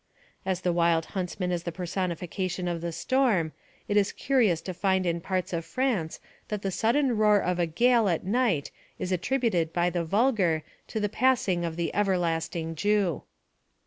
As the Wild Huntsman is the personification of the storm, it is curious to find in parts of France that the sudden roar of a gale at night is attributed by the vulgar to the passing of the Everlasting Jew.